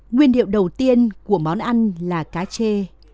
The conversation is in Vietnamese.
nguyên liệu đầu tiên của món ăn là cá chê